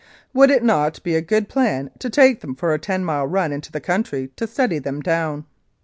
Would it not be a good plan to take them for a ten mile run into the country to steady them down.